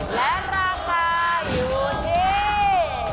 และราคาอยู่ที่